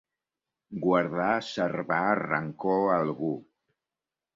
Guardar, servar, rancor a algú.